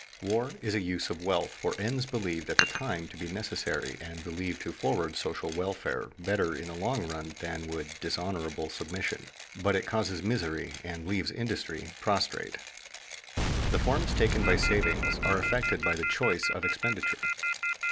War is a use of wealth for ends believed at the time to be necessary and believed to forward social welfare better in the long run than would dishonorable submission; but it causes misery and leaves industry prostrate. The forms taken by saving are affected by the choice of expenditure.